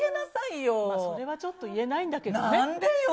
それはちょっと言えないんだなんでよ。